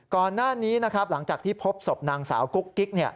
ก่อนหน้านี้นะครับหลังจากที่พบศพนางสาวกุ๊กกิ๊ก